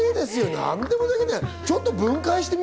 何でもできるね。